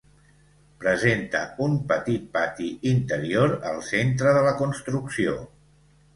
Presenta un petit pati interior al centre de la construcció.